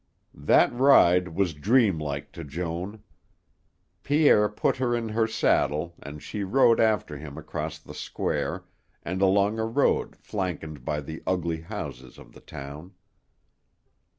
That ride was dreamlike to Joan. Pierre put her in her saddle and she rode after him across the Square and along a road flanked by the ugly houses of the town.